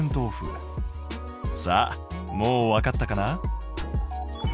さあもうわかったかな？